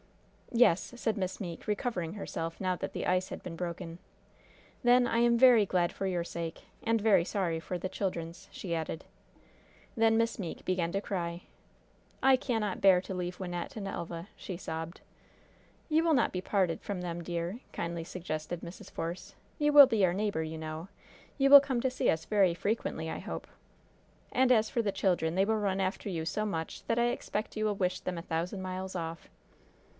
"Yes," said Miss Meeke, recovering herself, now that the ice had been broken. "Then I am very glad, for your sake. And very sorry for the children's," she added. Then Miss Meeke began to cry. "I cannot bear to leave Wynnette and Elva," she sobbed. "You will not be parted from them, dear," kindly suggested Mrs. Force. "You will be our neighbor, you know. You will come to see us very frequently, I hope. And as for the children, they will run after you so much that I expect you will wish them a thousand miles off."